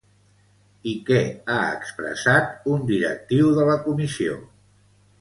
I què ha expressat un directiu de la Comissió?